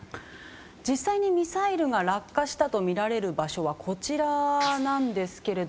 実際にミサイルが落下したとみられる場所はこちらです。